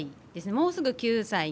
もうすぐ９歳に。